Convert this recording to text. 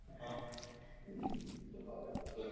Zemřel v Ivančicích.